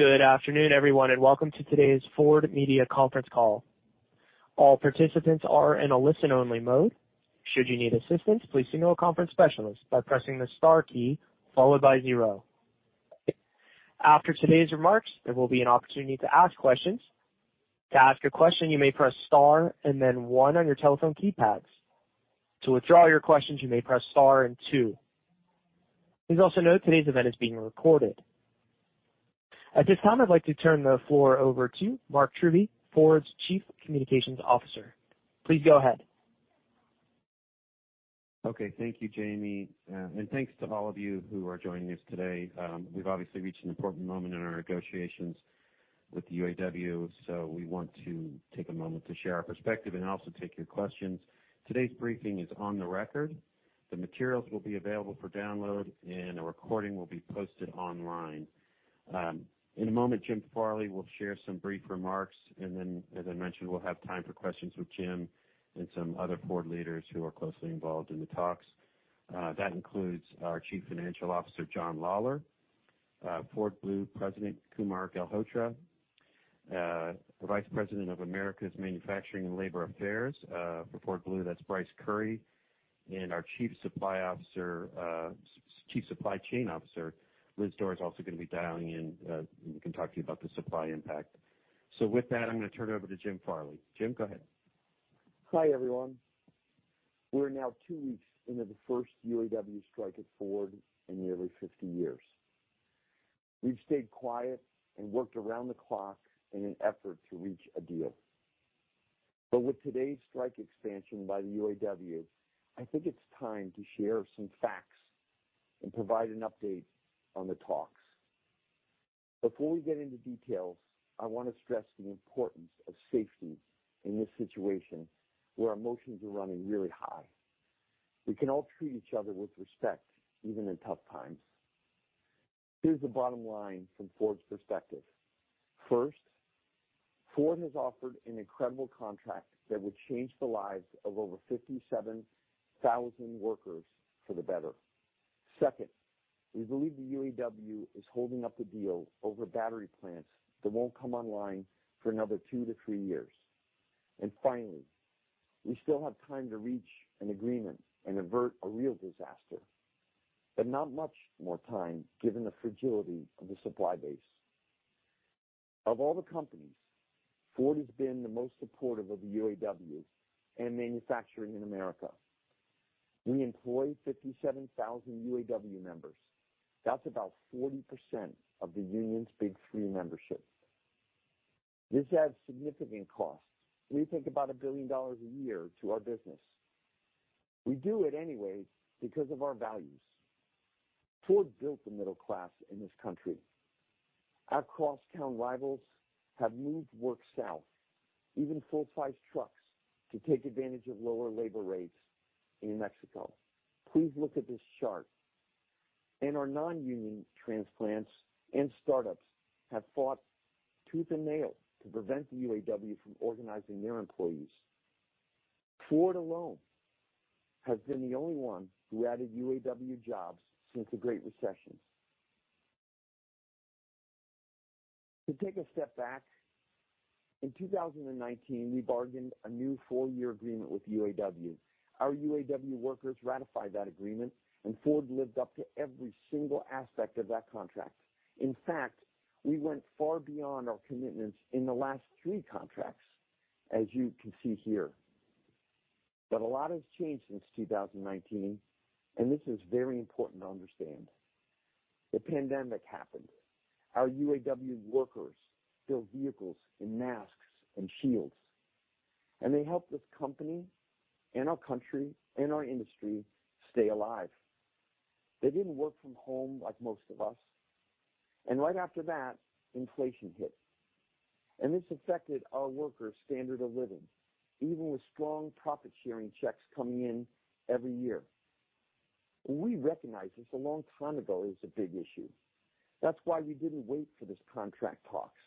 Good afternoon, everyone, and welcome to today's Ford Media Conference Call. All participants are in a listen-only mode. Should you need assistance, please signal a conference specialist by pressing the star key followed by zero. After today's remarks, there will be an opportunity to ask questions. To ask a question, you may press star and then one on your telephone keypads. To withdraw your questions, you may press star and two. Please also note today's event is being recorded. At this time, I'd like to turn the floor over to Mark Truby, Ford's Chief Communications Officer. Please go ahead. Okay, thank you, Jamie, and thanks to all of you who are joining us today. We've obviously reached an important moment in our negotiations with the UAW, so we want to take a moment to share our perspective and also take your questions. Today's briefing is on the record. The materials will be available for download, and a recording will be posted online. In a moment, Jim Farley will share some brief remarks, and then, as I mentioned, we'll have time for questions with Jim and some other Ford leaders who are closely involved in the talks. That includes our Chief Financial Officer, John Lawler, Ford Blue President, Kumar Galhotra, the Vice President of Americas Manufacturing and Labor Affairs, for Ford Blue, that's Bryce Currie, and our Chief Supply Chain Officer, Liz Door, also going to be dialing in, and we can talk to you about the supply impact. So with that, I'm going to turn it over to Jim Farley. Jim, go ahead. Hi, everyone. We're now two weeks into the first UAW strike at Ford in nearly 50 years. We've stayed quiet and worked around the clock in an effort to reach a deal. But with today's strike expansion by the UAW, I think it's time to share some facts and provide an update on the talks. Before we get into details, I want to stress the importance of safety in this situation, where our emotions are running really high. We can all treat each other with respect, even in tough times. Here's the bottom line from Ford's perspective. First, Ford has offered an incredible contract that would change the lives of over 57,000 workers for the better. Second, we believe the UAW is holding up the deal over battery plants that won't come online for another 2-3 years. Finally, we still have time to reach an agreement and avert a real disaster, but not much more time, given the fragility of the supply base. Of all the companies, Ford has been the most supportive of the UAW and manufacturing in America. We employ 57,000 UAW members. That's about 40% of the union's Big Three membership. This adds significant costs. We think about $1 billion a year to our business. We do it anyway because of our values. Ford built the middle class in this country. Our cross-town rivals have moved work south, even full-size trucks, to take advantage of lower labor rates in Mexico. Please look at this chart. Our non-union transplants and startups have fought tooth and nail to prevent the UAW from organizing their employees. Ford alone has been the only one who added UAW jobs since the Great Recession. To take a step back, in 2019, we bargained a new 4-year agreement with UAW. Our UAW workers ratified that agreement, and Ford lived up to every single aspect of that contract. In fact, we went far beyond our commitments in the last three contracts, as you can see here. But a lot has changed since 2019, and this is very important to understand. The pandemic happened. Our UAW workers built vehicles in masks and shields, and they helped this company and our country and our industry stay alive. They didn't work from home like most of us, and right after that, inflation hit, and this affected our workers' standard of living, even with strong profit-sharing checks coming in every year. We recognized this a long time ago as a big issue. That's why we didn't wait for this contract talks.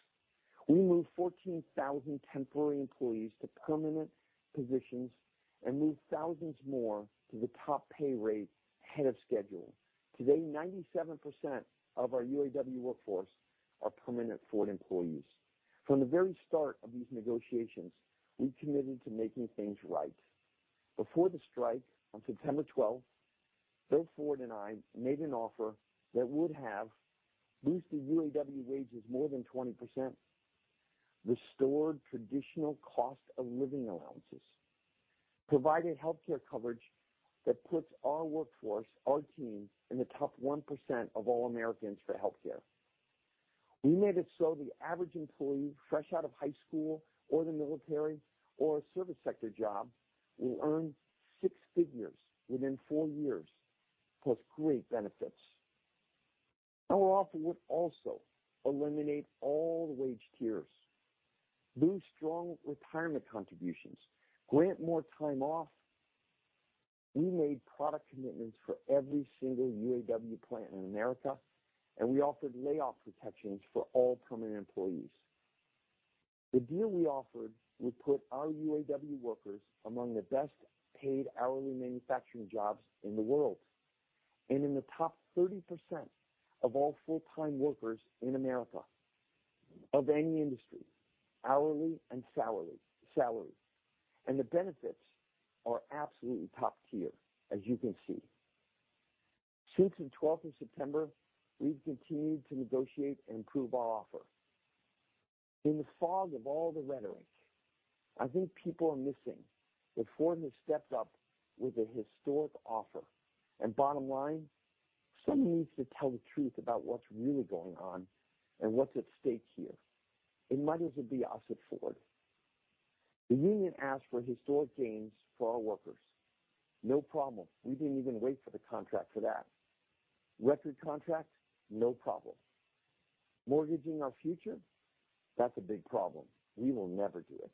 We moved 14,000 temporary employees to permanent positions and moved thousands more to the top pay rate ahead of schedule. Today, 97% of our UAW workforce are permanent Ford employees. From the very start of these negotiations, we committed to making things right. Before the strike on September twelfth, Bill Ford and I made an offer that would have boosted UAW wages more than 20%, restored traditional cost of living allowances, provided healthcare coverage that puts our workforce, our team, in the top 1% of all Americans for healthcare. We made it so the average employee, fresh out of high school or the military or a service sector job, will earn six figures within four years, plus great benefits. Our offer would also eliminate all the wage tiers, boost strong retirement contributions, grant more time off. We made product commitments for every single UAW plant in America, and we offered layoff protections for all permanent employees. The deal we offered would put our UAW workers among the best paid hourly manufacturing jobs in the world and in the top 30% of all full-time workers in America, of any industry, hourly and salary, salary. And the benefits are absolutely top tier, as you can see. Since the twelfth of September, we've continued to negotiate and improve our offer. In the fog of all the rhetoric, I think people are missing that Ford has stepped up with a historic offer. And bottom line, someone needs to tell the truth about what's really going on and what's at stake here. It might as well be us at Ford. The union asked for historic gains for our workers. No problem. We didn't even wait for the contract for that. Record contract? No problem. Mortgaging our future? That's a big problem. We will never do it.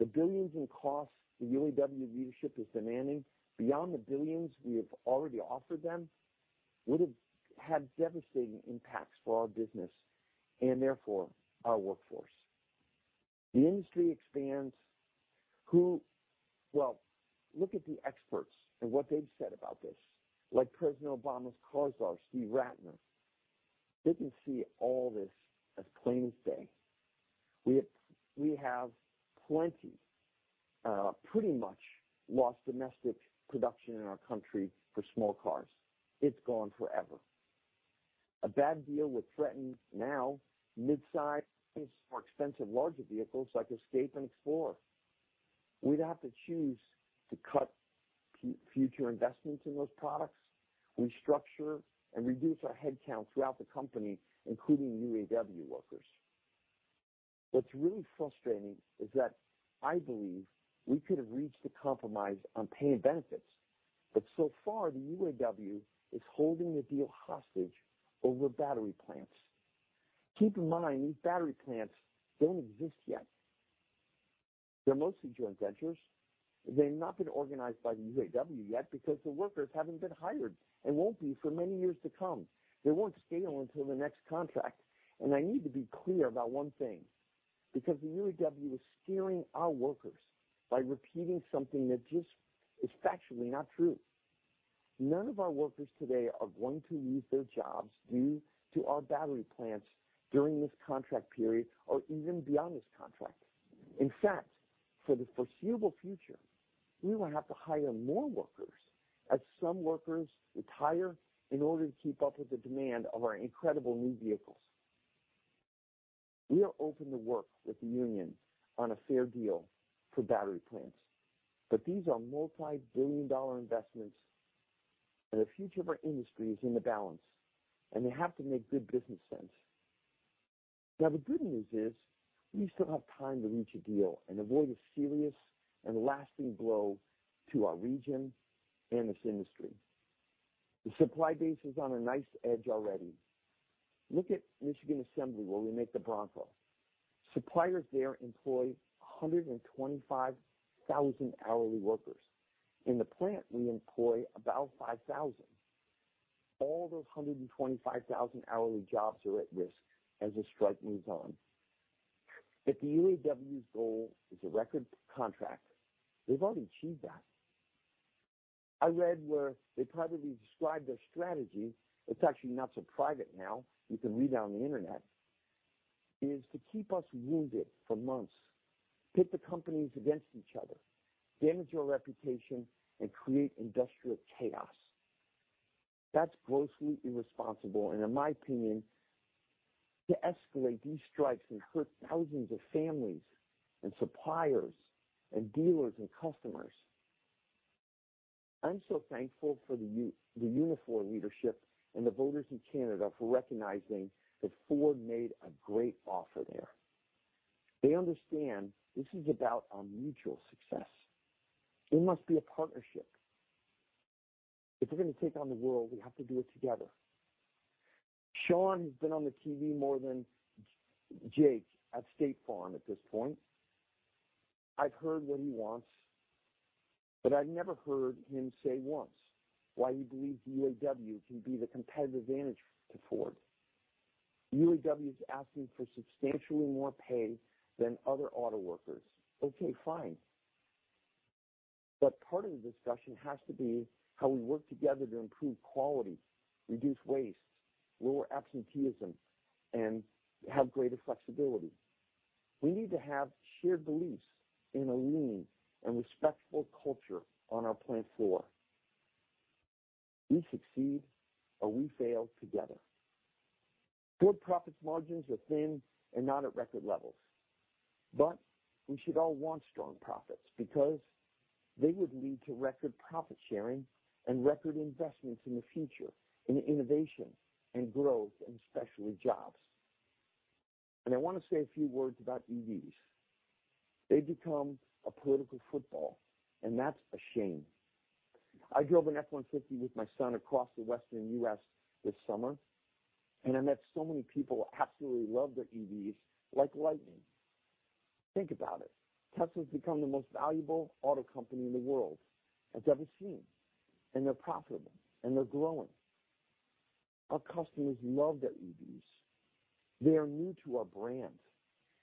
The billions in costs the UAW leadership is demanding, beyond the billions we have already offered them, would have had devastating impacts for our business and therefore our workforce. The industry expands. Who? Well, look at the experts and what they've said about this, like President Obama's car czar, Steve Rattner. They can see all this as plain as day. We, we have plenty, pretty much lost domestic production in our country for small cars. It's gone forever. A bad deal would threaten now midsize, more expensive, larger vehicles like Escape and Explorer. We'd have to choose to cut future investments in those products, restructure and reduce our headcount throughout the company, including UAW workers. What's really frustrating is that I believe we could have reached a compromise on pay and benefits, but so far, the UAW is holding the deal hostage over battery plants. Keep in mind, these battery plants don't exist yet. They're mostly joint ventures. They've not been organized by the UAW yet because the workers haven't been hired and won't be for many years to come. They won't scale until the next contract. I need to be clear about one thing, because the UAW is scaring our workers by repeating something that just is factually not true. None of our workers today are going to lose their jobs due to our battery plants during this contract period or even beyond this contract. In fact, for the foreseeable future, we will have to hire more workers as some workers retire in order to keep up with the demand of our incredible new vehicles. We are open to work with the union on a fair deal for battery plants, but these are multi-billion-dollar investments, and the future of our industry is in the balance, and they have to make good business sense. Now, the good news is, we still have time to reach a deal and avoid a serious and lasting blow to our region and this industry. The supply base is on a knife's edge already. Look at Michigan Assembly, where we make the Bronco. Suppliers there employ 125,000 hourly workers. In the plant, we employ about 5,000. All those 125,000 hourly jobs are at risk as the strike moves on. If the UAW's goal is a record contract, they've already achieved that. I read where they privately described their strategy. It's actually not so private now, you can read it on the Internet. It is to keep us wounded for months, pit the companies against each other, damage our reputation, and create industrial chaos. That's grossly irresponsible, and in my opinion, to escalate these strikes and hurt thousands of families and suppliers and dealers and customers. I'm so thankful for the Unifor leadership and the voters in Canada for recognizing that Ford made a great offer there. They understand this is about our mutual success. It must be a partnership. If we're going to take on the world, we have to do it together. Shawn has been on the TV more than Jake at State Farm at this point. I've heard what he wants, but I've never heard him say once why he believes the UAW can be the competitive advantage to Ford. UAW is asking for substantially more pay than other auto workers. Okay, fine. But part of the discussion has to be how we work together to improve quality, reduce waste, lower absenteeism, and have greater flexibility. We need to have shared beliefs in a lean and respectful culture on our plant floor. We succeed or we fail together. Ford's profit margins are thin and not at record levels, but we should all want strong profits because they would lead to record profit sharing and record investments in the future, in innovation and growth and especially jobs. And I want to say a few words about EVs. They've become a political football, and that's a shame. I drove an F-150 with my son across the western U.S. this summer, and I met so many people who absolutely love their EVs, like Lightning. Think about it. Tesla's become the most valuable auto company in the world that I've ever seen, and they're profitable and they're growing. Our customers love their EVs. They are new to our brand,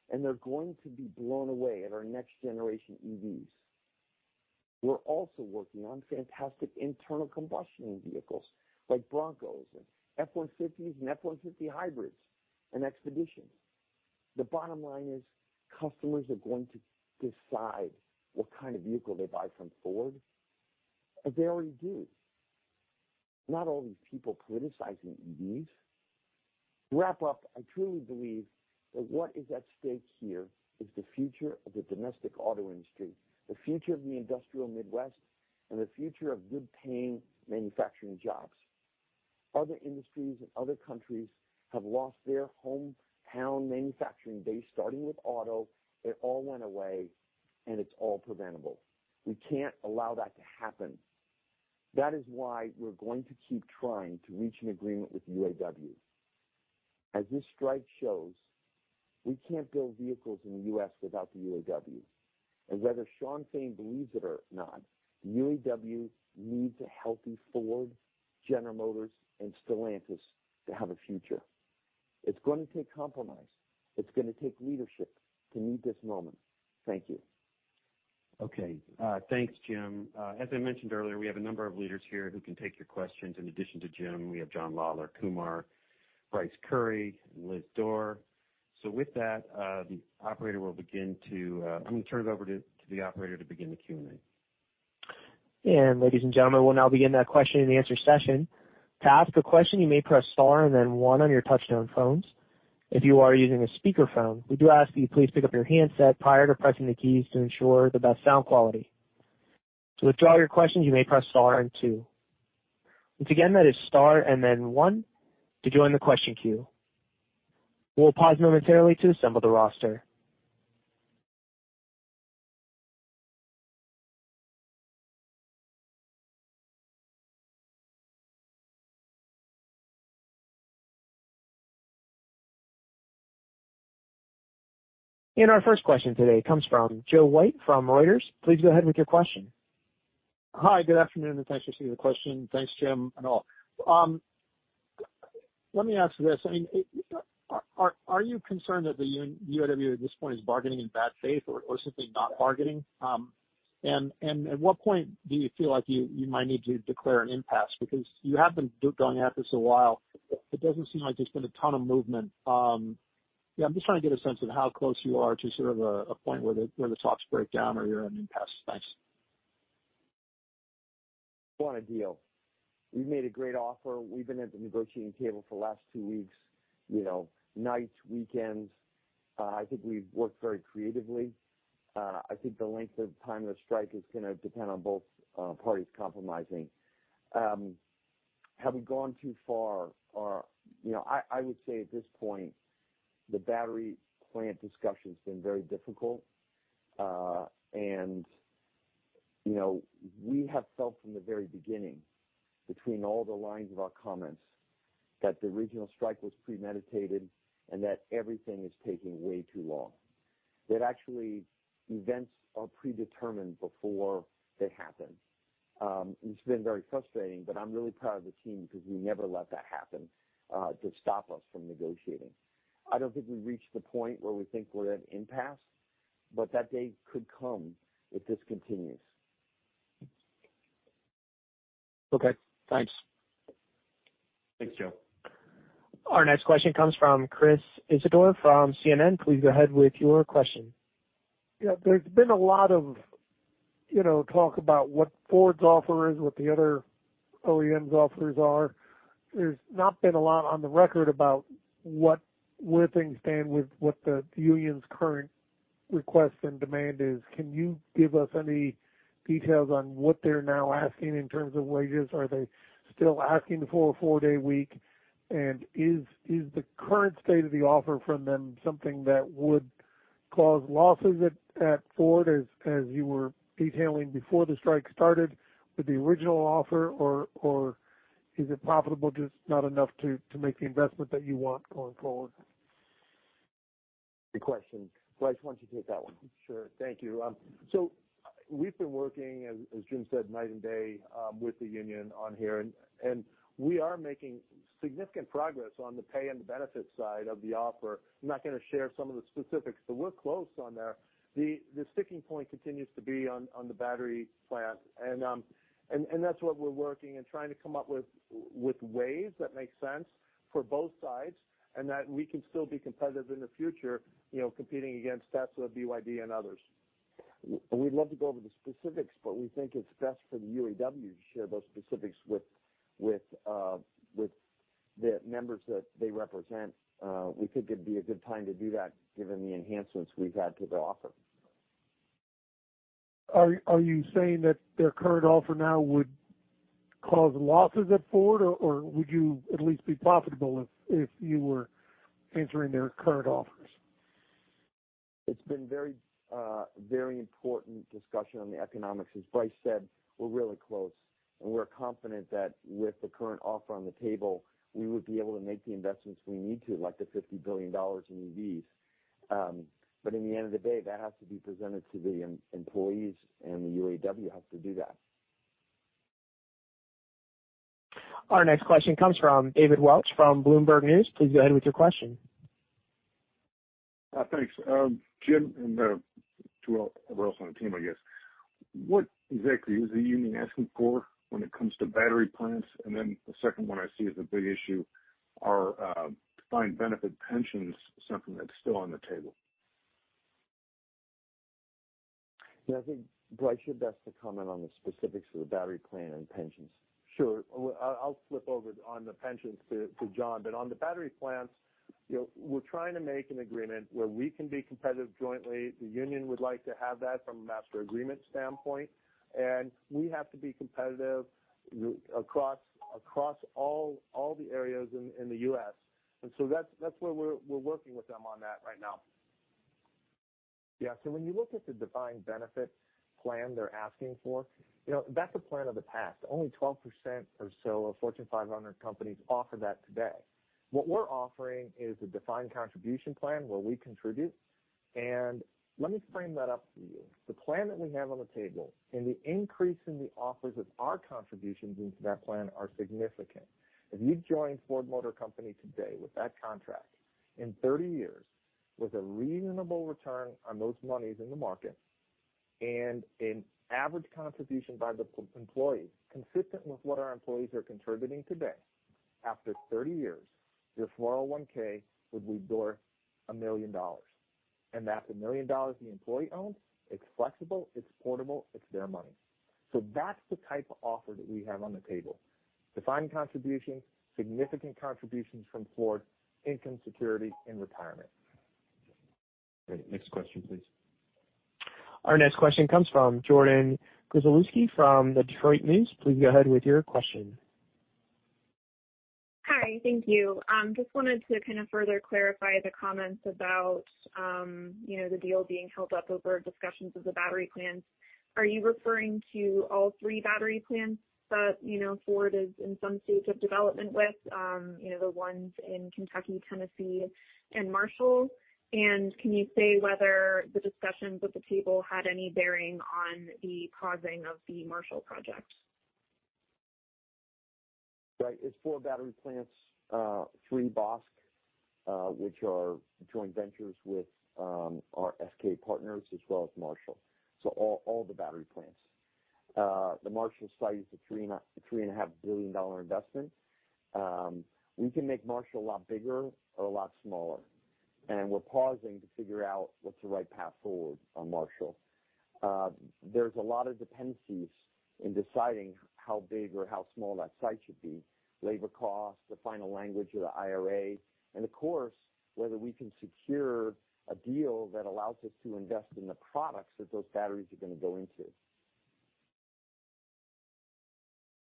and they're going to be blown away at our next generation EVs. We're also working on fantastic internal combustion vehicles like Broncos and F-150s and F-150 hybrids and Expeditions. The bottom line is, customers are going to decide what kind of vehicle they buy from Ford, as they already do. Not all these people criticizing EVs. To wrap up, I truly believe that what is at stake here is the future of the domestic auto industry, the future of the industrial Midwest, and the future of good-paying manufacturing jobs. Other industries and other countries have lost their hometown manufacturing base, starting with auto. It all went away, and it's all preventable. We can't allow that to happen. That is why we're going to keep trying to reach an agreement with UAW. As this strike shows, we can't build vehicles in the U.S. without the UAW. And whether Shawn Fain believes it or not, the UAW needs a healthy Ford, General Motors, and Stellantis to have a future. It's going to take compromise. It's going to take leadership to meet this moment. Thank you. Okay, thanks, Jim. As I mentioned earlier, we have a number of leaders here who can take your questions. In addition to Jim, we have John Lawler, Kumar, Bryce Currie, and Liz Door. So with that, the operator will begin to... I'm going to turn it over to the operator to begin the Q&A. Ladies and gentlemen, we'll now begin that question and answer session. To ask a question, you may press star and then one on your touchtone phones. If you are using a speakerphone, we do ask that you please pick up your handset prior to pressing the keys to ensure the best sound quality. To withdraw your question, you may press star and two. Once again, that is star and then one to join the question queue. We'll pause momentarily to assemble the roster. Our first question today comes from Joe White from Reuters. Please go ahead with your question. Hi, good afternoon, and thanks for taking the question. Thanks, Jim, and all. Let me ask you this: I mean, are you concerned that the UAW at this point is bargaining in bad faith or simply not bargaining? And at what point do you feel like you might need to declare an impasse? Because you have been going at this a while. It doesn't seem like there's been a ton of movement. Yeah, I'm just trying to get a sense of how close you are to sort of a point where the talks break down or you're at an impasse. Thanks. We want a deal. We've made a great offer. We've been at the negotiating table for the last two weeks, you know, nights, weekends. I think we've worked very creatively. I think the length of time of the strike is going to depend on both parties compromising. Have we gone too far? Or, you know, I would say at this point, the battery plant discussion's been very difficult. And, you know, we have felt from the very beginning, between all the lines of our comments, that the regional strike was premeditated and that everything is taking way too long, that actually events are predetermined before they happen. It's been very frustrating, but I'm really proud of the team because we never let that happen to stop us from negotiating. I don't think we've reached the point where we think we're at an impasse, but that day could come if this continues. Okay, thanks. Thanks, Joe. Our next question comes from Chris Isidore from CNN. Please go ahead with your question. Yeah, there's been a lot of, you know, talk about what Ford's offer is, what the other OEM's offers are. There's not been a lot on the record about what, where things stand with what the union's current request and demand is. Can you give us any details on what they're now asking in terms of wages? Are they still asking for a four-day week? And is the current state of the offer from them something that would cause losses at Ford, as you were detailing before the strike started with the original offer, or is it profitable, just not enough to make the investment that you want going forward? Good question. Bryce, why don't you take that one? Sure. Thank you. So we've been working, as Jim said, night and day, with the union on here, and we are making significant progress on the pay and the benefit side of the offer. I'm not going to share some of the specifics, but we're close on there. The sticking point continues to be on the battery plant, and that's what we're working and trying to come up with, with ways that make sense for both sides and that we can still be competitive in the future, you know, competing against Tesla, BYD, and others. We'd love to go over the specifics, but we think it's best for the UAW to share those specifics with the members that they represent. We think it'd be a good time to do that, given the enhancements we've had to the offer. Are you saying that their current offer now would cause losses at Ford, or would you at least be profitable if you were answering their current offers? It's been very, very important discussion on the economics. As Bryce said, we're really close, and we're confident that with the current offer on the table, we would be able to make the investments we need to, like the $50 billion in EVs. But in the end of the day, that has to be presented to the employees, and the UAW has to do that. Our next question comes from David Welch from Bloomberg News. Please go ahead with your question. Thanks. Jim, and to everyone else on the team, I guess, what exactly is the union asking for when it comes to battery plants? And then the second one I see as a big issue are defined benefit pensions, something that's still on the table. Yeah, I think, Bryce, you're best to comment on the specifics of the battery plan and pensions. Sure. Well, I'll flip over on the pensions to John, but on the battery plants, you know, we're trying to make an agreement where we can be competitive jointly. The union would like to have that from a master agreement standpoint, and we have to be competitive across all the areas in the U.S. And so that's where we're working with them on that right now. Yeah, so when you look at the defined benefit plan they're asking for, you know, that's a plan of the past. Only 12% or so of Fortune 500 companies offer that today. What we're offering is a defined contribution plan where we contribute, and let me frame that up for you. The plan that we have on the table and the increase in the offers of our contributions into that plan are significant. If you join Ford Motor Company today with that contract, in 30 years, with a reasonable return on those monies in the market and an average contribution by the employees, consistent with what our employees are contributing today, after 30 years, your 401(k) would be worth $1 million. And that's $1 million the employee owns. It's flexible, it's portable, it's their money. That's the type of offer that we have on the table. Defined contribution, significant contributions from Ford, income security and retirement. Great. Next question, please. Our next question comes from Jordyn Grzelewski from the Detroit News. Please go ahead with your question. Hi, thank you. Just wanted to kind of further clarify the comments about, you know, the deal being held up over discussions of the battery plans. Are you referring to all three battery plans that, you know, Ford is in some stage of development with, you know, the ones in Kentucky, Tennessee, and Marshall? And can you say whether the discussions with the table had any bearing on the pausing of the Marshall project? Right. It's four battery plants, three BlueOval SK, which are joint ventures with our SK partners, as well as Marshall. So all the battery plants. The Marshall site is a $3.5 billion investment. We can make Marshall a lot bigger or a lot smaller, and we're pausing to figure out what's the right path forward on Marshall. There's a lot of dependencies in deciding how big or how small that site should be, labor costs, the final language of the IRA, and of course, whether we can secure a deal that allows us to invest in the products that those batteries are going to go into.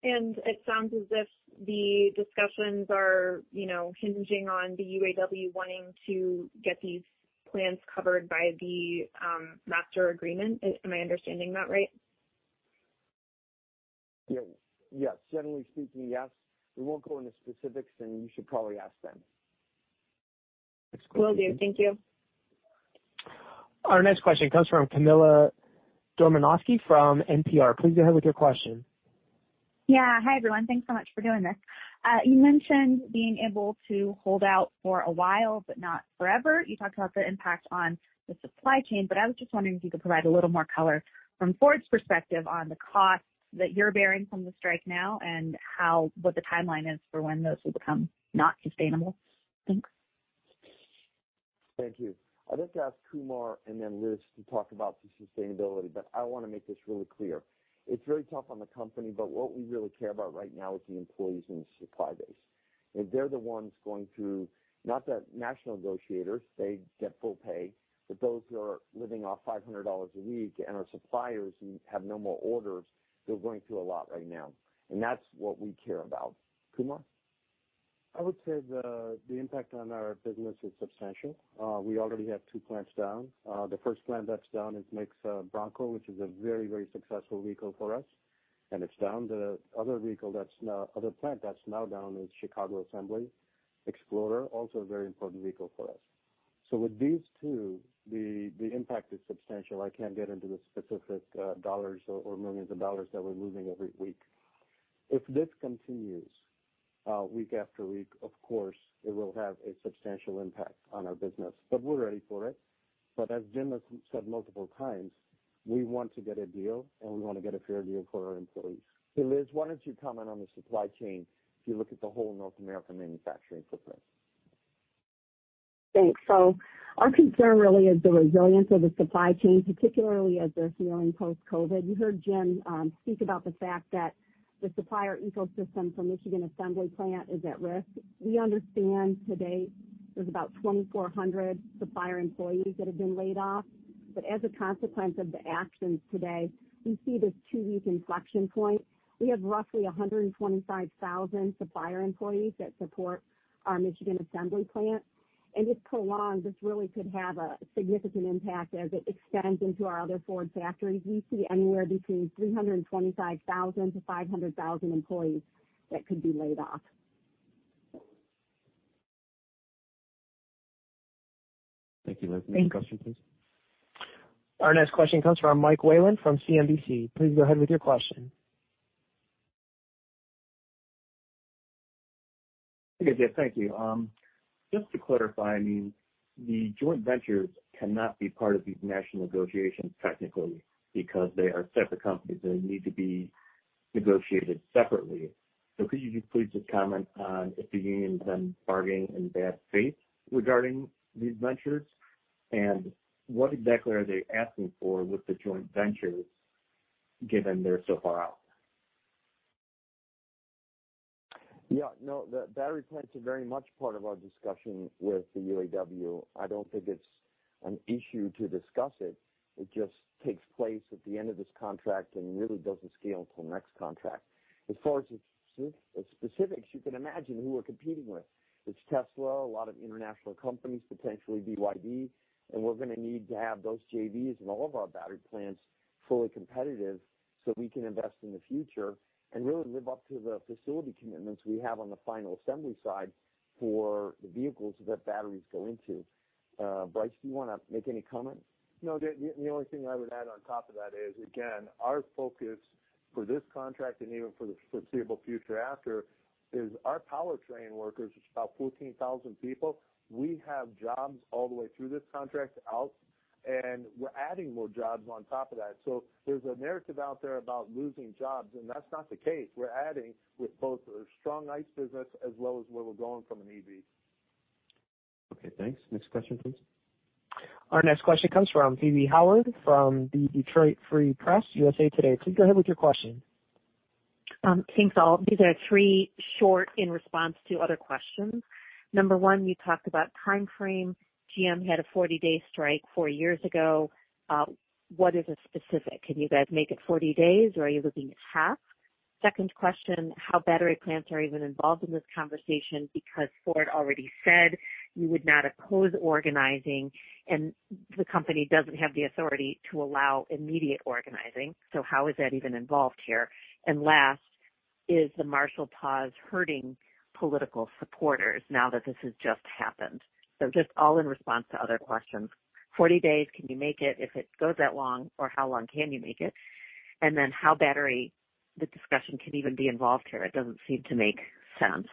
It sounds as if the discussions are, you know, hinging on the UAW wanting to get these plans covered by the Master Agreement. Am I understanding that right? Yeah. Yes. Generally speaking, yes. We won't go into specifics, and you should probably ask them. Will do. Thank you. Our next question comes from Camila Domonoske from NPR. Please go ahead with your question. Yeah. Hi, everyone. Thanks so much for doing this. You mentioned being able to hold out for a while, but not forever. You talked about the impact on the supply chain, but I was just wondering if you could provide a little more color from Ford's perspective on the costs that you're bearing from the strike now and how, what the timeline is for when those will become not sustainable? Thanks. Thank you. I'd like to ask Kumar and then Liz to talk about the sustainability, but I want to make this really clear. It's very tough on the company, but what we really care about right now is the employees and the supply base. They're the ones going through... Not the national negotiators, they get full pay, but those who are living off $500 a week and our suppliers who have no more orders, they're going through a lot right now, and that's what we care about. Kumar? I would say the impact on our business is substantial. We already have two plants down. The first plant that's down makes Bronco, which is a very, very successful vehicle for us, and it's down. The other plant that's now down is Chicago Assembly. Explorer, also a very important vehicle for us. So with these two, the impact is substantial. I can't get into the specific dollars or millions of dollars that we're losing every week. If this continues week after week, of course, it will have a substantial impact on our business, but we're ready for it. But as Jim has said multiple times, we want to get a deal, and we want to get a fair deal for our employees. Hey, Liz, why don't you comment on the supply chain if you look at the whole North American manufacturing footprint? Thanks. So our concern really is the resilience of the supply chain, particularly as they're healing post-COVID. You heard Jim speak about the fact that the supplier ecosystem from Michigan Assembly Plant is at risk. We understand to date there's about 2,400 supplier employees that have been laid off. But as a consequence of the actions today, we see this two-week inflection point. We have roughly 125,000 supplier employees that support our Michigan Assembly Plant, and if prolonged, this really could have a significant impact as it extends into our other Ford factories. We see anywhere between 325,000-500,000 employees that could be laid off. Thank you. Next question, please. Our next question comes from Mike Wayland from CNBC. Please go ahead with your question. Hey, Jim, thank you. Just to clarify, I mean, the joint ventures cannot be part of these national negotiations technically, because they are separate companies, they need to be negotiated separately. So could you just please just comment on if the union is then bargaining in bad faith regarding these ventures? And what exactly are they asking for with the joint ventures, given they're so far out? Yeah, no, the battery plants are very much part of our discussion with the UAW. I don't think it's an issue to discuss it. It just takes place at the end of this contract and really doesn't scale until next contract. As far as the specifics, you can imagine who we're competing with. It's Tesla, a lot of international companies, potentially BYD, and we're going to need to have those JVs and all of our battery plants fully competitive so we can invest in the future and really live up to the facility commitments we have on the final assembly side for the vehicles that batteries go into. Bryce, do you want to make any comment? No, the only thing I would add on top of that is, again, our focus for this contract and even for the foreseeable future after, is our powertrain workers, which is about 14,000 people, we have jobs all the way through this contract out, and we're adding more jobs on top of that. So there's a narrative out there about losing jobs, and that's not the case. We're adding with both a strong ICE business as well as where we're going from an EV. Okay, thanks. Next question, please. Our next question comes from Phoebe Howard from the Detroit Free Press, USA Today. Please go ahead with your question. Thanks, all. These are three short in response to other questions. Number one, you talked about time frame. GM had a 40-day strike four years ago. What is a specific? Can you guys make it 40 days, or are you looking at half? Second question, how battery plants are even involved in this conversation? Because Ford already said you would not oppose organizing, and the company doesn't have the authority to allow immediate organizing. So how is that even involved here? And last, is the Marshall pause hurting political supporters now that this has just happened? So just all in response to other questions. 40 days, can you make it if it goes that long, or how long can you make it? And then how battery the discussion can even be involved here? It doesn't seem to make sense.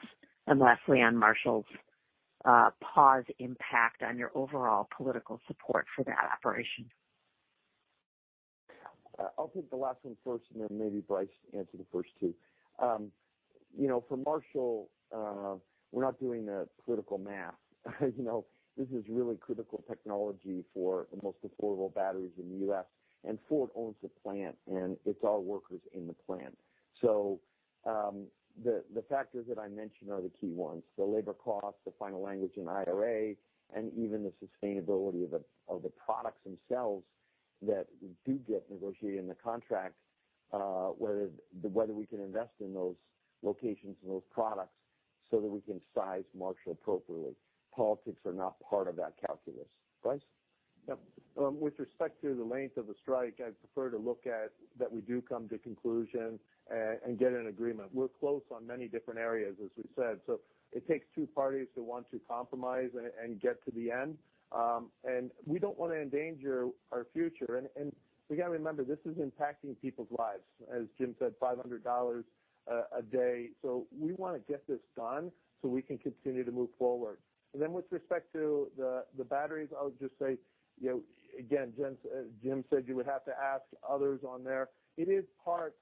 And lastly, on Marshall's pause impact on your overall political support for that operation? I'll take the last one first, and then maybe Bryce answer the first two. You know, for Marshall, we're not doing the political math. You know, this is really critical technology for the most affordable batteries in the U.S., and Ford owns the plant, and it's all workers in the plant. So, the factors that I mentioned are the key ones, the labor costs, the final language in IRA, and even the sustainability of the products themselves that do get negotiated in the contract, whether we can invest in those locations and those products so that we can size Marshall appropriately. Politics are not part of that calculus. Bryce? Yep. With respect to the length of the strike, I'd prefer to look at that we do come to a conclusion and get an agreement. We're close on many different areas, as we said, so it takes two parties to want to compromise and get to the end. And we don't want to endanger our future. And we got to remember, this is impacting people's lives, as Jim said, $500 a day. So we want to get this done so we can continue to move forward. And then with respect to the batteries, I would just say, you know, again, Jim said you would have to ask others on there. It is part...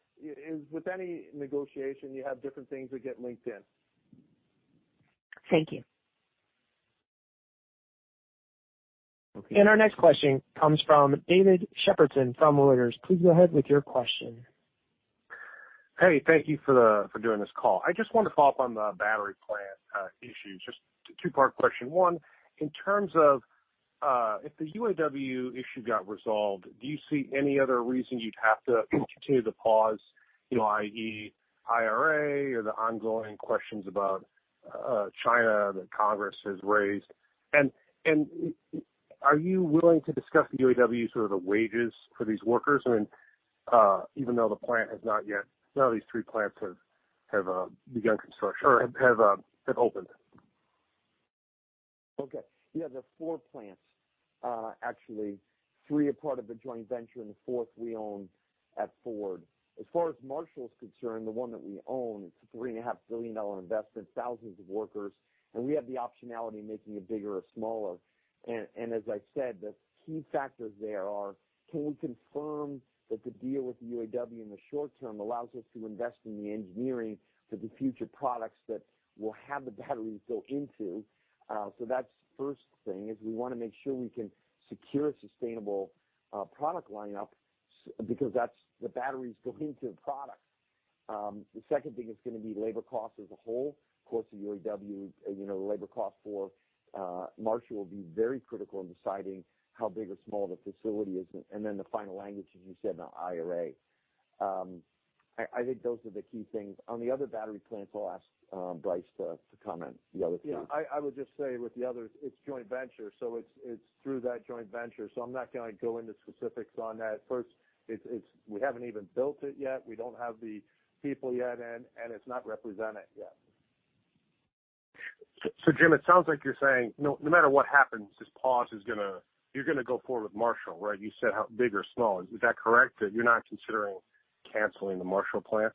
As with any negotiation, you have different things that get linked in. Thank you. Okay. Our next question comes from David Shepardson from Reuters. Please go ahead with your question. Hey, thank you for doing this call. I just want to follow up on the battery plant issue. Just a two-part question. One, in terms of if the UAW issue got resolved, do you see any other reasons you'd have to continue to pause, you know, i.e., IRA or the ongoing questions about China that Congress has raised? And are you willing to discuss the UAW, sort of the wages for these workers, I mean, even though the plant has not yet... None of these three plants have begun construction or have opened? Okay. Yeah, there's four plants. Actually, three are part of a joint venture, and the fourth we own at Ford. As far as Marshall's concerned, the one that we own, it's a $3.5 billion investment, thousands of workers, and we have the optionality of making it bigger or smaller. And as I said, the key factors there are, can we confirm that the deal with the UAW in the short term allows us to invest in the engineering for the future products that will have the batteries go into? So that's first thing, is we want to make sure we can secure a sustainable product lineup, because that's the batteries go into the product. The second thing is going to be labor costs as a whole. Of course, the UAW, you know, the labor cost for Marshall will be very critical in deciding how big or small the facility is. And then the final language, as you said, the IRA. I think those are the key things. On the other battery plants, I'll ask Bryce to comment. The other two. Yeah, I would just say with the others, it's joint venture, so it's through that joint venture, so I'm not going to go into specifics on that. First, it's we haven't even built it yet. We don't have the people yet in, and it's not represented yet.... So, Jim, it sounds like you're saying, no, no matter what happens, this pause is gonna-- you're gonna go forward with Marshall, right? You said how big or small. Is that correct, that you're not considering canceling the Marshall plant?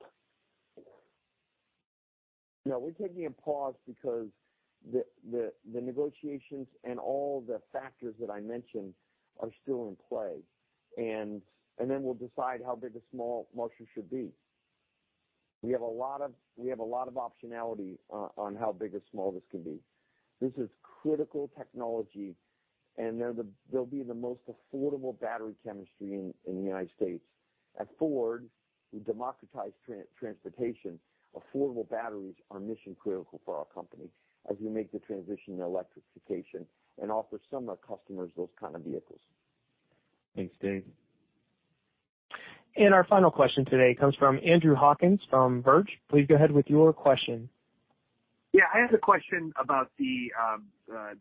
No, we're taking a pause because the negotiations and all the factors that I mentioned are still in play. And then we'll decide how big or small Marshall should be. We have a lot of optionality on how big or small this can be. This is critical technology, and they'll be the most affordable battery chemistry in the United States. At Ford, we democratize transportation. Affordable batteries are mission critical for our company as we make the transition to electrification and offer some of our customers those kind of vehicles. Thanks, Dave. Our final question today comes from Andrew Hawkins from Verge. Please go ahead with your question. Yeah, I had a question about the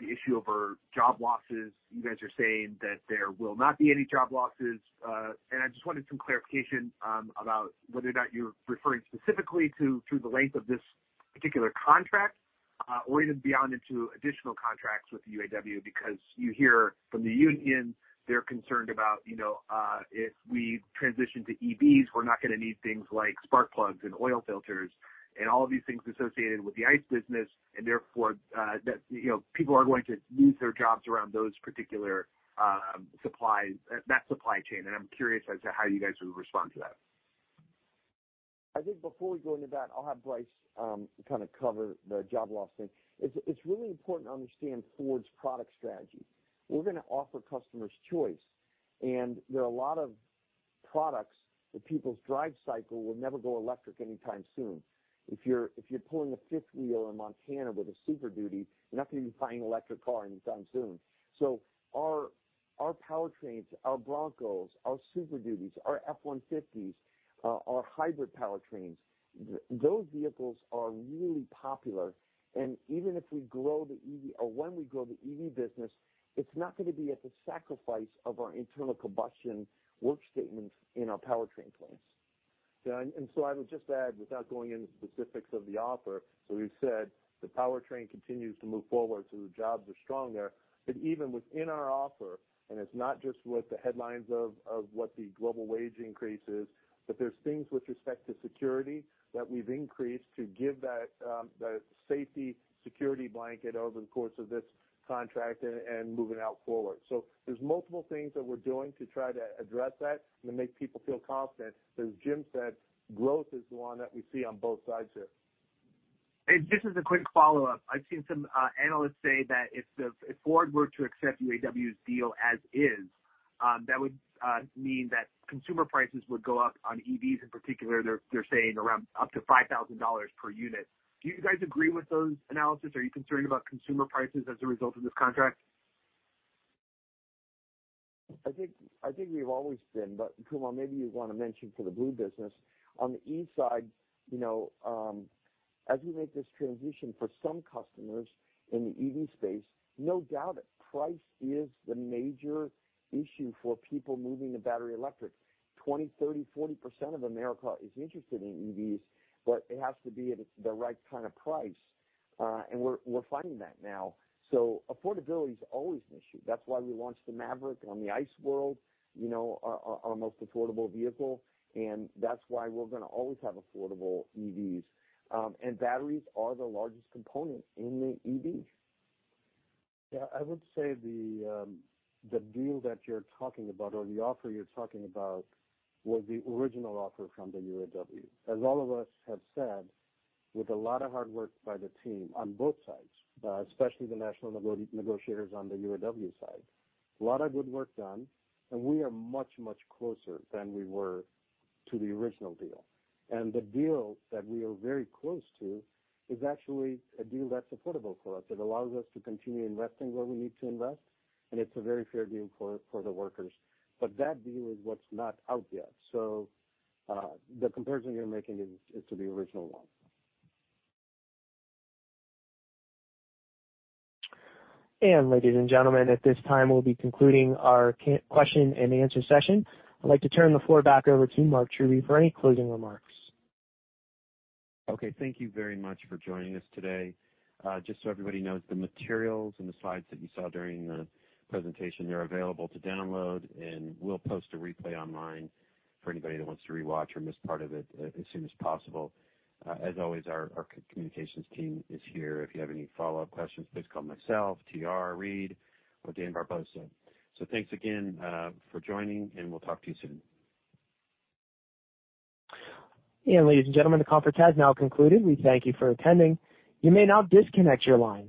issue over job losses. You guys are saying that there will not be any job losses, and I just wanted some clarification about whether or not you're referring specifically to through the length of this particular contract or even beyond into additional contracts with the UAW, because you hear from the union, they're concerned about, you know, if we transition to EVs, we're not gonna need things like spark plugs and oil filters and all of these things associated with the ICE business, and therefore, that, you know, people are going to lose their jobs around those particular supplies that supply chain. And I'm curious as to how you guys would respond to that. I think before we go into that, I'll have Bryce kind of cover the job loss thing. It's really important to understand Ford's product strategy. We're gonna offer customers choice, and there are a lot of products that people's drive cycle will never go electric anytime soon. If you're pulling a fifth wheel in Montana with a Super Duty, you're not gonna be buying an electric car anytime soon. So our powertrains, our Broncos, our Super Duties, our F-150s, our hybrid powertrains, those vehicles are really popular. And even if we grow the EV, or when we grow the EV business, it's not gonna be at the sacrifice of our internal combustion work statements in our powertrain plants. Yeah, and so I would just add, without going into the specifics of the offer, so we've said the powertrain continues to move forward, so the jobs are strong there. But even within our offer, and it's not just with the headlines of what the global wage increase is, but there's things with respect to security that we've increased to give that that safety, security blanket over the course of this contract and moving forward. So there's multiple things that we're doing to try to address that and make people feel confident. As Jim said, growth is the one that we see on both sides here. Just as a quick follow-up, I've seen some analysts say that if Ford were to accept UAW's deal as is, that would mean that consumer prices would go up on EVs in particular. They're saying around up to $5,000 per unit. Do you guys agree with those analyses? Are you concerned about consumer prices as a result of this contract? I think, I think we've always been, but Kumar, maybe you'd want to mention for the Blue business, on the EV side, you know, as we make this transition for some customers in the EV space, no doubt that price is the major issue for people moving to battery electric. 20, 30, 40% of America is interested in EVs, but it has to be at the right kind of price, and we're finding that now. So affordability is always an issue. That's why we launched the Maverick on the ICE world, you know, our most affordable vehicle, and that's why we're gonna always have affordable EVs. And batteries are the largest component in the EV. Yeah, I would say the deal that you're talking about, or the offer you're talking about, was the original offer from the UAW. As all of us have said, with a lot of hard work by the team on both sides, especially the national negotiators on the UAW side, a lot of good work done, and we are much, much closer than we were to the original deal. And the deal that we are very close to is actually a deal that's affordable for us. It allows us to continue investing where we need to invest, and it's a very fair deal for the workers. But that deal is what's not out yet. So, the comparison you're making is to the original one. Ladies and gentlemen, at this time, we'll be concluding our question and answer session. I'd like to turn the floor back over to Mark Truby for any closing remarks. Okay, thank you very much for joining us today. Just so everybody knows, the materials and the slides that you saw during the presentation, they're available to download, and we'll post a replay online for anybody that wants to rewatch or miss part of it as soon as possible. As always, our communications team is here. If you have any follow-up questions, please call myself, T.R. Reid, or Dan Barbossa. So thanks again for joining, and we'll talk to you soon. Ladies and gentlemen, the conference has now concluded. We thank you for attending. You may now disconnect your line.